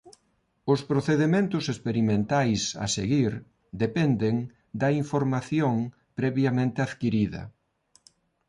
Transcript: Os procedementos experimentais a seguir dependen da información previamente adquirida.